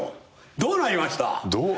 どうなりました？